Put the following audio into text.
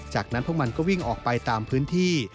จากนั้นพวกมันก็วิ่งออกไปตามพื้นที่